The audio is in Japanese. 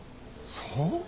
そう？